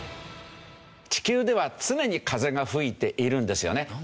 地球では常に風が吹いているんですよね。